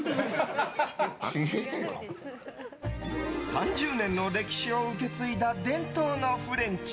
３０年の歴史を受け継いだ伝統のフレンチ。